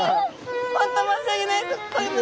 本当申し訳ないです！